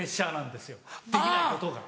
できないことが。